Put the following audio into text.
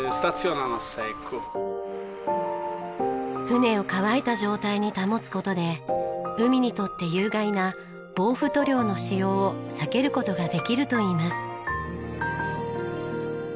船を乾いた状態に保つ事で海にとって有害な防腐塗料の使用を避ける事ができるといいます。